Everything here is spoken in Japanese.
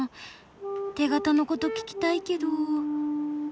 手形のこと聞きたいけど。